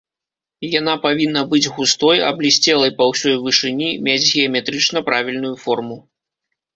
Яна павінна быць густой, аблісцелай па ўсёй вышыні, мець геаметрычна правільную форму.